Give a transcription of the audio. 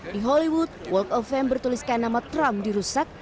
di hollywood work of fame bertuliskan nama trump dirusak